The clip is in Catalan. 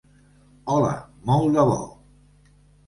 Hola, molt de bo!